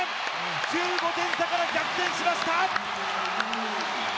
１５点差から逆転しました。